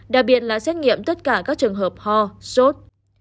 đặc biệt là xét nghiệm tất cả các trường hợp ho sốt